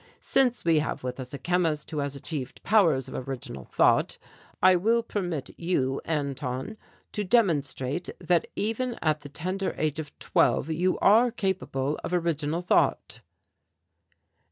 "Since we have with us a chemist who has achieved powers of original thought, I will permit you, Anton, to demonstrate that even at the tender age of twelve you are capable of original thought."